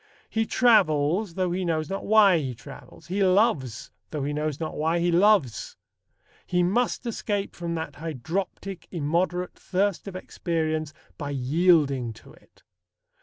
He travels, though he knows not why he travels. He loves, though he knows not why he loves. He must escape from that "hydroptic, immoderate" thirst of experience by yielding to it.